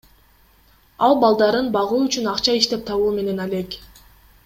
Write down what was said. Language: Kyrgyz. Ал балдарын багуу үчүн акча иштеп табуу менен алек.